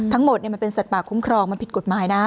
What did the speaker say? ทั้งหมดเนี่ยมันเป็นศัตรูป่าคุ้มครองมันผิดกฎหมายนะ